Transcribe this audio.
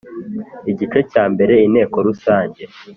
Igice cya mbere Inteko rusange